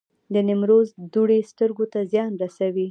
د نیمروز دوړې سترګو ته زیان رسوي؟